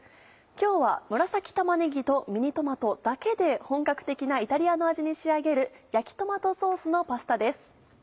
今日は紫玉ねぎとミニトマトだけで本格的なイタリアの味に仕上げる焼きトマトソースのパスタです。